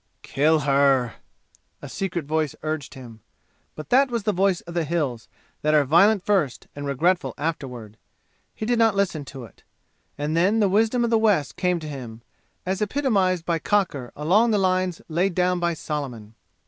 "Kill her!" a secret voice urged him. But that was the voice of the "Hills," that are violent first and regretful afterward. He did not listen to it. And then the wisdom of the West came to him, as epitomized by Cocker along the lines laid down by Solomon.